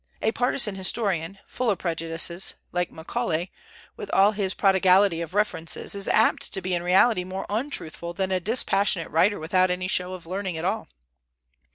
A partisan historian full of prejudices, like Macaulay, with all his prodigality of references, is apt to be in reality more untruthful than a dispassionate writer without any show of learning at all.